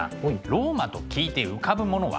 ローマと聞いて浮かぶものは？